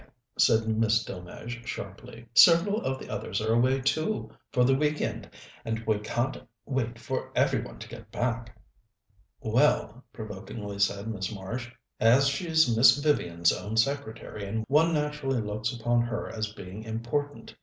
said Miss Delmege sharply. "Several of the others are away, too, for the week end, and we can't wait for every one to get back." "Well," provokingly said Miss Marsh, "as she's Miss Vivian's own secretary, one naturally looks upon her as being important.